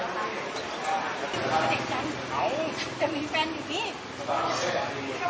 ก็อยากได้เลย